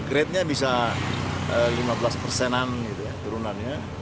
gradenya bisa lima belas persenan gitu ya turunannya